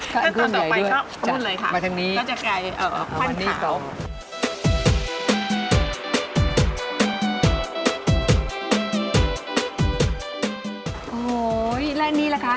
ถ้าตอนต่อไปก็พูดเลยค่ะเราจะกลายว่านขาวโอ้โฮแล้วอันนี้แหละคะ